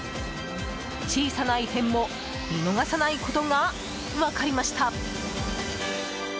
小さな異変も見逃さないことが分かりました。